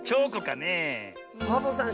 サボさん